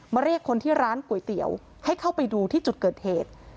เรียกคนที่ร้านก๋วยเตี๋ยวให้เข้าไปดูที่จุดเกิดเหตุ